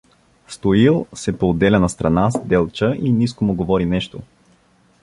Стоил се поотделя настрана с Делча и ниско му говори нещо.